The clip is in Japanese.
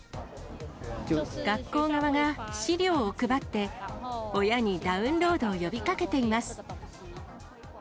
学校側が資料を配って、親にダウンロードを呼びかけています。